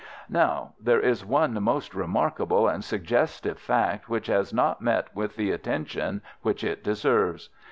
"Now, there is one most remarkable and suggestive fact which has not met with the attention which it deserves.